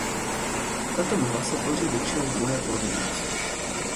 Tato mlha se tvoří většinou v druhé polovině noci.